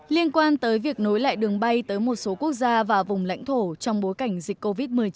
liên quan tới việc nối lại đường bay tới một số quốc gia và vùng lãnh thổ trong bối cảnh dịch covid một mươi chín